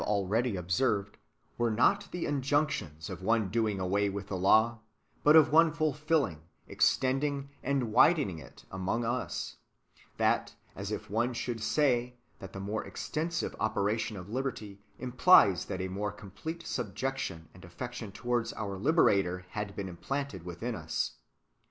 415 already observed, were not [the injunctions] of one doing away with the law, but of one fulfilUng, extending, and widening it among us ; just as if one should say, that the more extensive operation of liberty implies that a more com plete subjection and affection towards our Liberator had been implanted within us.